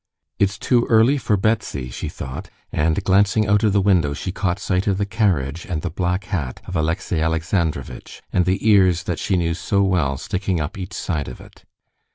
"It's too early for Betsy," she thought, and glancing out of the window she caught sight of the carriage and the black hat of Alexey Alexandrovitch, and the ears that she knew so well sticking up each side of it.